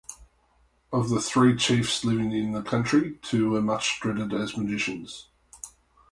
Of the three chiefs living in the country, two were much dreaded as magicians.